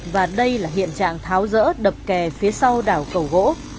và đây là hiện trạng tháo rỡ đập kè phía sau đảo cầu gỗ